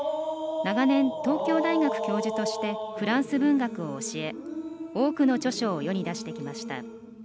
長年、東京大学教授としてフランス文学を教え多くの著書を世に出してきました。